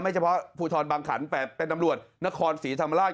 เฉพาะภูทรบางขันแต่เป็นตำรวจนครศรีธรรมราช